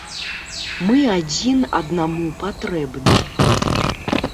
Мы адзін аднаму патрэбны.